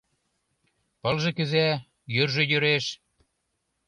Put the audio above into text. Пылже кӱза, йӱржӧ йӱреш